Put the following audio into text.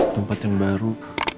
tempat yang baru